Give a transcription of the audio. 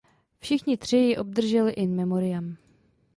Všichni tři ji obdrželi in memoriam.